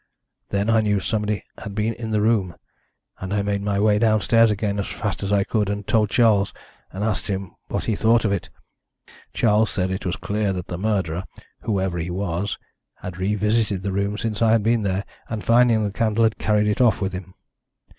"Then I knew somebody had been in the room, and I made my way downstairs again as fast as I could, and told Charles, and asked him what he thought of it. Charles said it was clear that the murderer, whoever he was, had revisited the room since I had been there, and finding the candle, had carried it off with him.